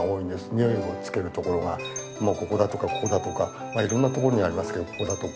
においをつけるところがもうここだとかここだとかまあいろんなとこにありますけどここだとか。